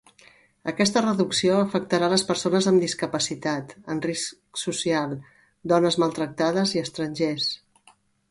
Aquesta reducció afectarà les persones amb discapacitat, en risc social, dones maltractades i estrangers.